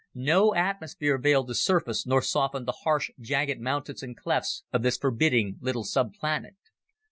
No atmosphere veiled the surface nor softened the harsh, jagged mountains and clefts of this forbidding little subplanet.